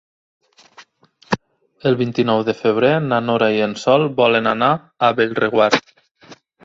El vint-i-nou de febrer na Nora i en Sol volen anar a Bellreguard.